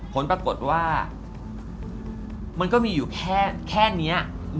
ผลปรากฏว่ามันก็มีอยู่แค่นี้